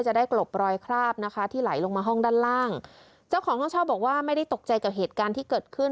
จะได้กลบรอยคราบนะคะที่ไหลลงมาห้องด้านล่างเจ้าของห้องเช่าบอกว่าไม่ได้ตกใจกับเหตุการณ์ที่เกิดขึ้น